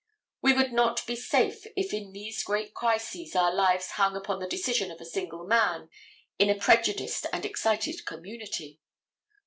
We would not be safe if in these great crises our lives hung upon the decision of a single man in a prejudiced and excited community.